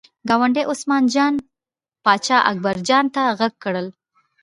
ګاونډي عثمان جان پاچا اکبر جان ته غږ کړل.